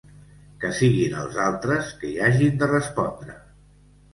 Que siguin els altres que hi hagin de respondre.